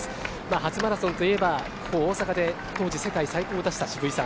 初マラソンといえばここ大阪で当時、世界最高を出した渋井さん。